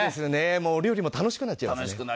お料理も楽しくなっちゃいますよね。